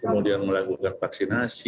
kemudian melakukan vaksinasi